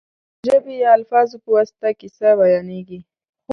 د ژبې یا الفاظو په واسطه کیسه بیانېږي.